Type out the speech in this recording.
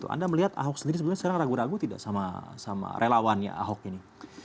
anda melihat ahok sendiri sebenarnya sekarang ragu ragu tidak sama relawannya ahok ini